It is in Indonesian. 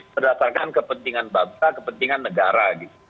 berdasarkan kepentingan bangsa kepentingan negara